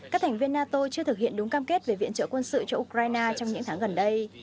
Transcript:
các thành viên nato chưa thực hiện đúng cam kết về viện trợ quân sự cho ukraine trong những tháng gần đây